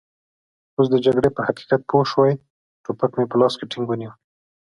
اوس د جګړې په حقیقت پوه شوي، ټوپک مې په لاس کې ټینګ ونیو.